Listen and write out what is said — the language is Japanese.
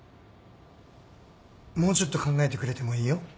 もうちょっと考えてくれてもいいよ。